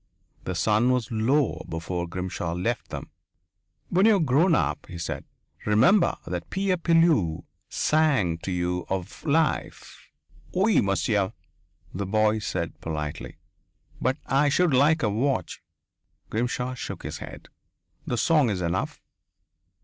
The sun was low before Grimshaw left them. "When you are grown up," he said, "remember that Pierre Pilleux sang to you of life." "Oui, monsieur," the boy said politely. "But I should like a watch." Grimshaw shook his head. "The song is enough."